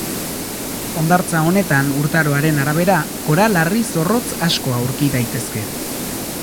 Hondartza honetan, urtaroen arabera, koral-harri zorrotz asko aurki daitezke.